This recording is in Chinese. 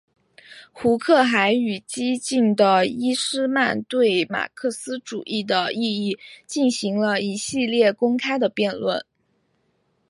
胡克还与激进的伊士曼对马克思主义的意义进行了一系列公开的辩论。